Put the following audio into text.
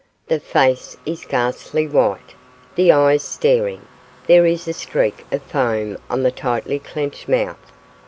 The face is ghastly white, the eyes staring; there is a streak of foam on the tightly clenched mouth.